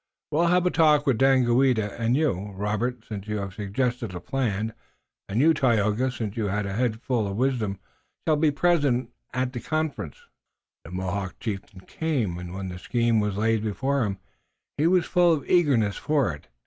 We'll have a talk with Daganoweda, and you, Robert, since you suggested the plan, and you, Tayoga, since you've a head full of wisdom, shall be present at the conference." The Mohawk chieftain came, and, when the scheme was laid before him, he was full of eagerness for it.